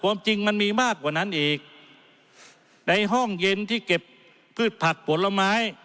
จริงมันมีมากกว่านั้นอีกในห้องเย็นที่เก็บพืชผักผลไม้